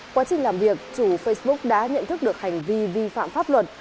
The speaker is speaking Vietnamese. quá trình làm việc chủ facebook đã nhận thức được hành vi vi phạm pháp luật